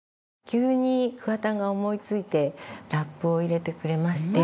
急に桑田が思いついてラップを入れてくれまして。